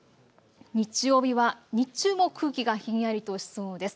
日曜日は日中も空気がひんやりとしそうです。